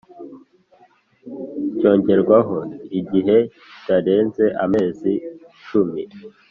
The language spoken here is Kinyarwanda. cyongererwaho igihe kitarenze amezi cumi